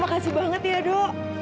makasih banget ya do